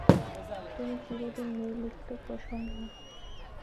তুমি চিরদিন নির্লিপ্ত, প্রসন্ন।